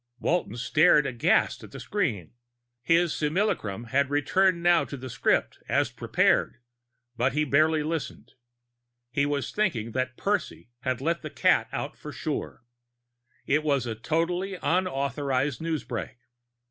Walton stared aghast at the screen. His simulacrum had returned now to the script as prepared, but he barely listened. He was thinking that Percy had let the cat out for sure. It was a totally unauthorized newsbreak.